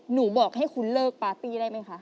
บอกให้คุณเลิกปาร์ตี้ได้ไหมคะ